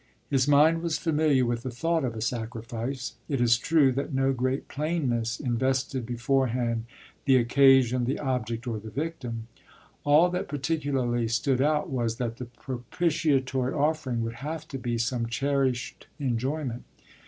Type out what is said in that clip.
His mind was familiar with the thought of a sacrifice: it is true that no great plainness invested beforehand the occasion, the object or the victim. All that particularly stood out was that the propitiatory offering would have to be some cherished enjoyment.